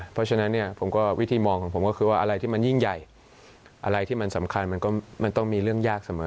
เพราะฉะนั้นเนี่ยผมก็วิธีมองของผมก็คือว่าอะไรที่มันยิ่งใหญ่อะไรที่มันสำคัญมันก็มันต้องมีเรื่องยากเสมอ